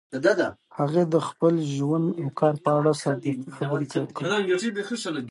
هغې د خپل ژوند او کار په اړه صادقې خبرې کړي.